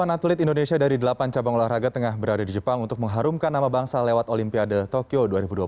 delapan atlet indonesia dari delapan cabang olahraga tengah berada di jepang untuk mengharumkan nama bangsa lewat olimpiade tokyo dua ribu dua puluh